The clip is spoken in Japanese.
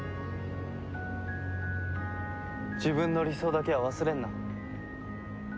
自分の理想だけは忘れるな。